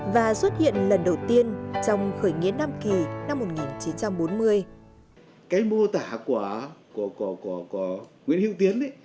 và xuất hiện lần đầu tiên